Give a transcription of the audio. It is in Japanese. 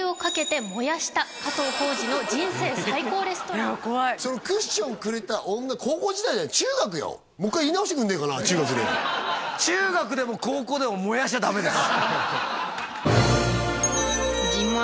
今夜もまいりましょうはいそのクッションくれた女高校時代じゃない中学よもう一回言い直してくんねえかな中学で中学でも高校でも燃やしちゃダメです